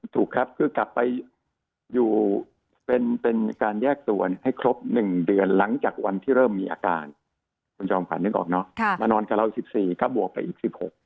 ถูกครับคือกลับไปอยู่เป็นการแยกตัวให้ครบ๑เดือนหลังจากวันที่เริ่มมีอาการคุณจอมขวัญนึกออกเนอะมานอนกับเรา๑๔ก็บวกไปอีก๑๖